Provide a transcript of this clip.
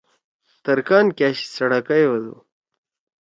ترکان کیش څڑکئی ہودُو۔